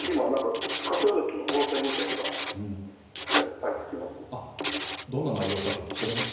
柏崎の防災無線が入ってきています。